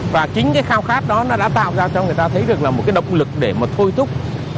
và chính cái khao khát đó nó đã tạo ra cho người ta thấy được là một cái động lực để mà thôi thúc